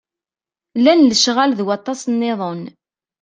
Llan lecɣal d waṭas-nniḍen.